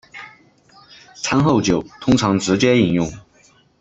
餐后酒通常直接饮用。